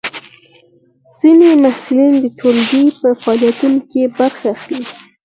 ځینې محصلین د ټولګي په فعالیتونو کې برخه اخلي.